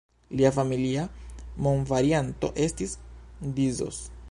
Lia familia nomvarianto estis "D’Isoz".